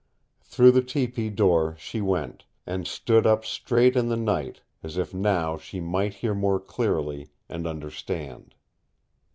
Through the tepee door she went, and stood up straight in the night, as if now she might hear more clearly, and understand.